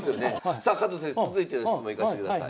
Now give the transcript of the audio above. さあ加藤先生続いての質問いかしてください。